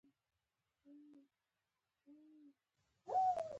ازادي راډیو د سوداګري په اړه د نقدي نظرونو کوربه وه.